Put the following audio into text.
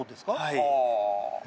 はい。